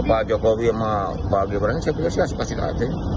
pak jokowi sama pak gibran saya punya sikap sikap aja